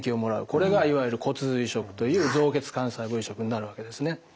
これがいわゆる骨髄移植という造血幹細胞移植になるわけですね。